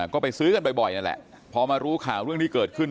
ก็ไปซื้อกันบ่อยนั่นแหละพอมารู้ข่าวเรื่องที่เกิดขึ้น